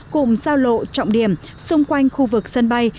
cùng giao lộ trọng điểm xung quanh khu vực sân bay